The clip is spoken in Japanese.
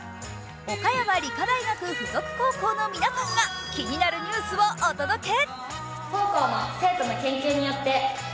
理科大附属高校の皆さんが気になるニュースをお届け。